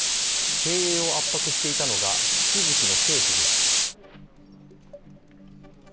経営を圧迫していたのが、月々の経費です。